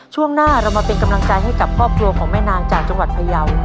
ช่วงหน้าเรามาเป็นกำลังใจให้กับครอบครัวของแม่นางจากจังหวัดพยาว